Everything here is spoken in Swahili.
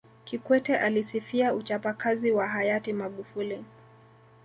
Kikwete alisifia uchapakazi wa Hayati Magufuli